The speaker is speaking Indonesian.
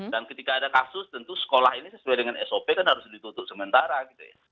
dan ketika ada kasus tentu sekolah ini sesuai dengan sop kan harus ditutup sementara gitu ya